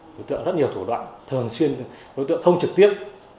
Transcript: đối tượng rất nhiều thủ đoạn thường xuyên đối tượng không trực tiếp